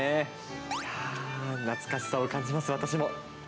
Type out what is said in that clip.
いやー、懐かしさを感じます、私も。